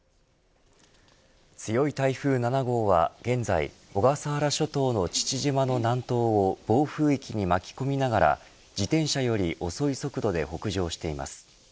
強い台風７号は現在、小笠原諸島の父島の南東を暴風域に巻き込みながら自転車より遅い速度で北上しています。